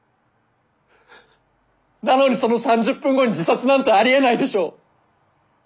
なのにその３０分後に自殺なんてありえないでしょう！